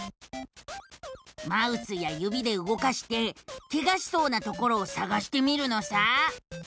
マウスやゆびでうごかしてケガしそうなところをさがしてみるのさ。